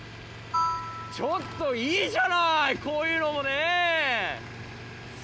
ちょっといいじゃないこういうのもね！